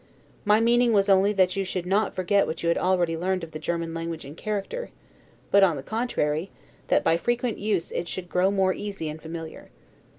My meaning was only that you should not forget what you had already learned of the German language and character; but, on the contrary, that by frequent use it should grow more easy and familiar.